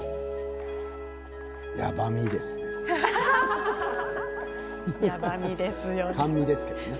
やばみですね。